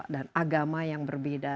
dan agama yang berbeda